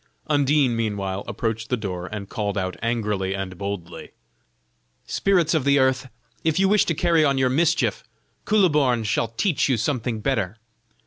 Undine meanwhile approached the door and called out angrily and boldly: "Spirits of the earth, if you wish to carry on your mischief, Kuhleborn shall teach you something better."